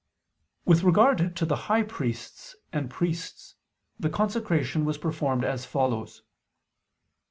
With regard to the high priests and priests the consecration was performed as follows.